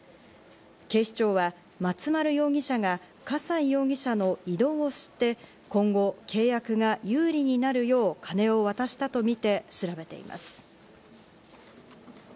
警視庁は松丸容疑者が笠井容疑者の異動を知って、今後、契約が有利になるよう金を渡したとみて調べています。